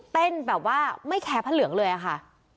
แบบว่าไม่แคร์พระเหลืองเลยอะค่ะ